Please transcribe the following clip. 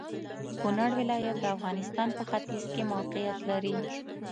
کونړ ولايت د افغانستان په ختيځ کې موقيعت لري.